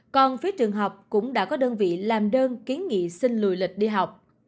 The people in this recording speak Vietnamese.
còn phía trường học cũng đã có đơn vị làm đơn kiến nghị xin lùi lịch đi học